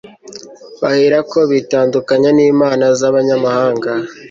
baherako bitandukanya n'imana z'abanyamahanga